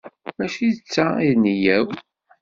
Mačči d ta i d nneyya-w.